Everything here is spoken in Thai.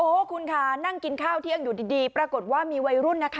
โอ้โหคุณค่ะนั่งกินข้าวเที่ยงอยู่ดีปรากฏว่ามีวัยรุ่นนะคะ